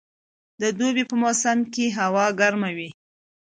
د دوبي په موسم کښي هوا ګرمه وي.